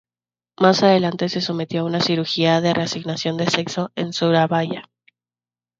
Más adelante se sometió a una cirugía de reasignación de sexo en Surabaya.